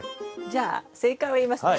じゃあ正解を言いますね。